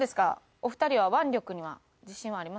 お二人は腕力には自信はありますか？